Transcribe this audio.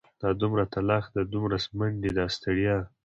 دا دومره تلاښ دا دومره منډې دا ستړيا.